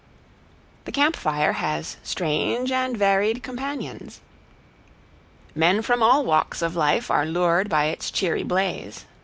The camp fire has strange and varied companions. Men from all walks of life are lured by its cheery blaze.